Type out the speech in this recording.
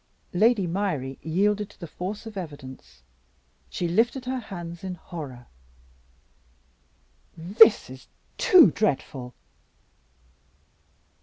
Lady Myrie yielded to the force of evidence; she lifted her hands in horror: "This is too dreadful!"